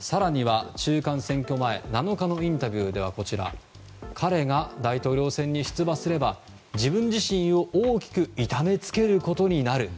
更には、中間選挙前７日のインタビューでは彼が大統領選に出馬すれば自分自身を大きく痛めつけることになる。